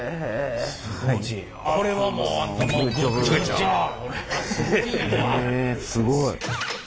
えすごい。